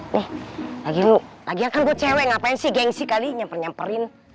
lagi lu lagi aku buat cewek ngapain sih gengsi kali nyamper nyamperin